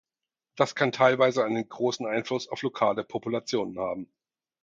Das kann teilweise einen großen Einfluss auf lokale Populationen haben.